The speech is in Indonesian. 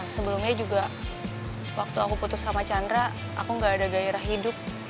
sebelumnya juga waktu aku putus sama chandra aku gak ada gairah hidup